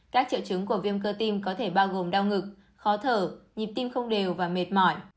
các triệu chứng của viêm cơ tim có thể bao gồm đau ngực khó thở nhịp tim không đều và mệt mỏi